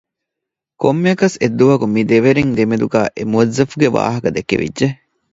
ކޮންމެއަކަސް އެއްދުވަހަކު މި ދެ ވެރިންގެ ދެމެދުގައި އެ މުވައްޒަފުގެ ވާހަކަ ދެކެވިއްޖެ